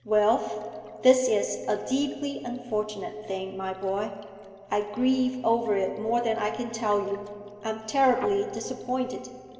'Wilf, this is a deeply unfortunate thing, my boy. I grieve over it more than I can tell you. I am terribly disappointed.